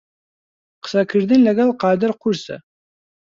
قسەکردن لەگەڵ قادر قورسە.